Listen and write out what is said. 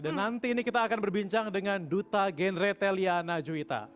dan nanti ini kita akan berbincang dengan duta genre teliana juwita